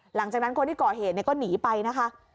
หลังจากนั้นคนที่เกาะเหตุก็หนีไปนะคะ